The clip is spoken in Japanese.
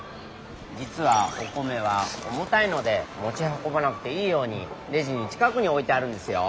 じつはお米は重たいのでもちはこばなくていいようにレジの近くにおいてあるんですよ。